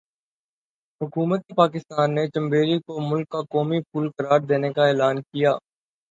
حکومتِ پاکستان نے 'چنبیلی' کو ملک کا قومی پھول قرار دینے کا اعلان کیا۔